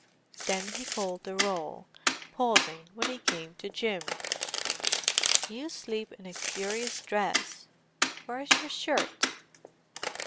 Then he called the roll, pausing when he came to Jim. "You sleep in a curious dress. Where is your shirt?"